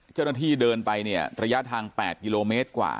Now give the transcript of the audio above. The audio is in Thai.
เจ้าหน้าที่เดินไปเนี่ยระยะทาง๘กิโลเมตรกว่า